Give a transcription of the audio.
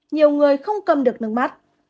nhiều người không cầm được nước mắt